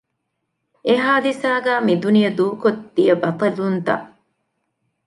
އެ ހާދިސާގައި މި ދުނިޔެ ދޫކޮށް ދިޔަ ބަޠަލުންތައް